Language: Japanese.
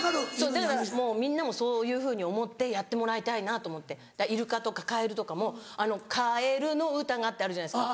だからもうみんなもそういうふうに思ってやってもらいたいなと思ってイルカとかカエルとかもかえるのうたがってあるじゃないですか。